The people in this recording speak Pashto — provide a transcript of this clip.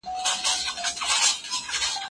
زه د بدن د پاکوالي لپاره هره ورځ اوبه کاروم.